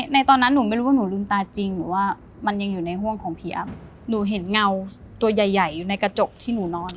ตอนนั้นหนูไม่รู้ว่าหนูลืมตาจริงหนูว่ามันยังอยู่ในห่วงของผีอำหนูเห็นเงาตัวใหญ่ใหญ่อยู่ในกระจกที่หนูนอน